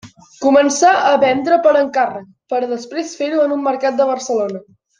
Començà a vendre per encàrrec, per a després fer-ho en un mercat de Barcelona.